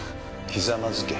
ひざまずけ！